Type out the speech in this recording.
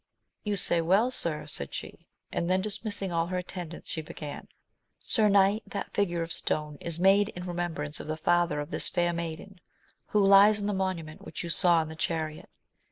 You say well, sir, said she ; and then dismissing all < her attendants, she began. Sir knight, that figure of stone is made in remem brance of the father of this fair maiden, who lies in the monument which you saw in the chariot.